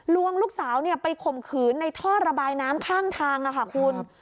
ลวงลูกสาวไปข่มขืนในท่อระบายน้ำข้างทางค่ะคุณ